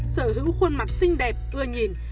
sở hữu khuôn mặt xinh đẹp ưa nhìn